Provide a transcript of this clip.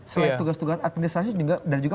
selain tugas tugas administrasi dan juga